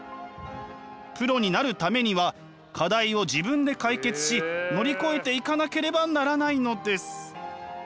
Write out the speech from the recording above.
プロになるためには課題を自分で解決し乗り越えていかなければならないのです。